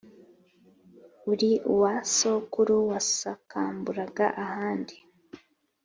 uri uwa sokuru wasakamburaga ahandi